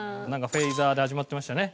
フェイザーで始まってましたね。